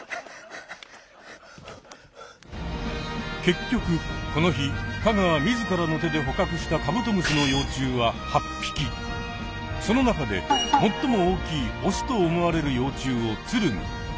結局この日香川自らの手で捕獲したカブトムシの幼虫はその中で最も大きいオスと思われる幼虫を「つるぎ」。